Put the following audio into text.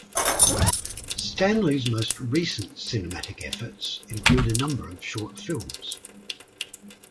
Stanley's most recent cinematic efforts include a number of short films.